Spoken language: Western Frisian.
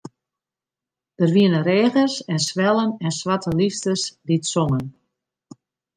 Der wiene reagers en swellen en swarte lysters dy't songen.